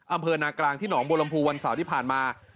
อำเภอนากลางที่หนองบัวลำพูวันเสาร์ที่ผ่านมา